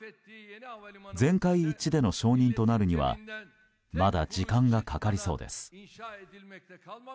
全会一致での承認となるにはまだ時間がかかりそうです。